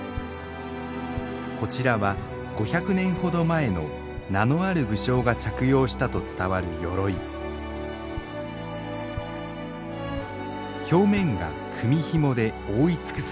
こちらは５００年ほど前の名のある武将が着用したと伝わる鎧表面が組みひもで覆い尽くされています。